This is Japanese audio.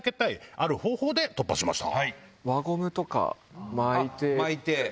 ある方法で突破しました。